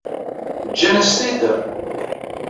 Ǧǧan-as-t-id?